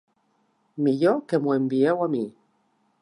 Millor que m'ho envieu a mi.